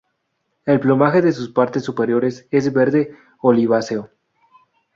El plumaje de sus partes superiores es verde oliváceo.